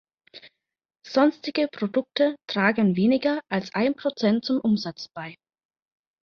Sonstige Produkte tragen weniger als ein Prozent zum Umsatz bei.